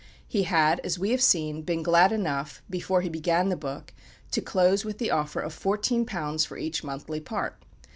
He had, as we have seen, been glad enough, before he began the book, to close with the offer of £14 for each monthly part.